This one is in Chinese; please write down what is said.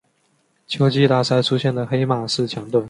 秋季大赛出现的黑马式强队。